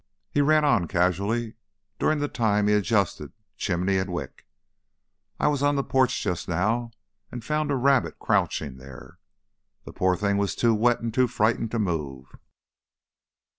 He ran on, casually, during the time he adjusted chimney and wick: "I was on the porch just now and found a rabbit crouching there. The poor thing was too wet and frightened to move."